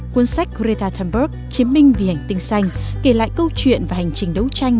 cuốn sách greta thunberg chiếm minh vì hành tinh xanh kể lại câu chuyện và hành trình đấu tranh